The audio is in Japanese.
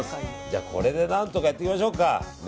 じゃあ、これで何とかやっていきましょうか。